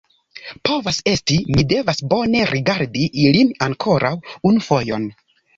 Povas esti; mi devas bone rigardi ilin ankoraŭ unu fojon.